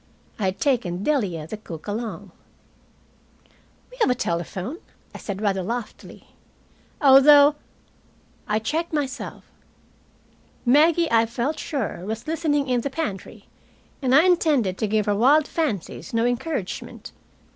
I had taken Delia, the cook, along. "We have a telephone," I said, rather loftily. "Although " I checked myself. Maggie, I felt sure, was listening in the pantry, and I intended to give her wild fancies no encouragement.